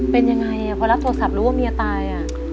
เป็นยังไงพอรับโทรศัพท์รู้ว่าเมียตาย